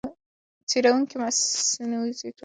څېړونکي د مصنوعي ځېرکتیا له لارې معلومات راټولوي.